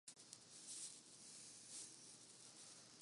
میرا جسم مکمل ہو جاتا ہے ۔